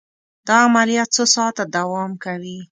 دا عملیه څو ساعته دوام کوي.